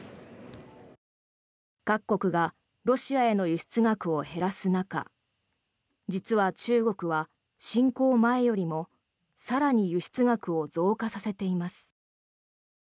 各国がロシアへの輸出額を減らす中実は、中国は侵攻前よりも更に輸出額を増加させています。